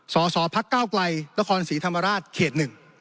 สสพกและคศธรรมราชเขต๑